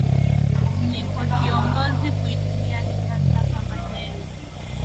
ni kwa kiongozi kuitumia siasa kama nyenzo